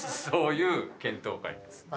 そういう検討会です。